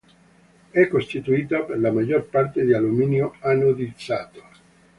È costituita per la maggior parte di alluminio anodizzato.